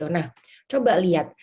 nah coba lihat